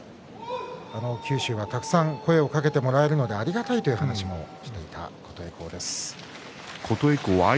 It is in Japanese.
九州はたくさん声をかけてもらえるのでありがたいという話をしていた琴恵光です。